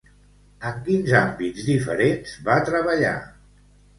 En quins àmbits diferents va treballar?